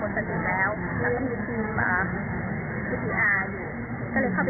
สวัสดีครับ